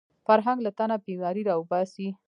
فرهنګ له تنه بیماري راوباسي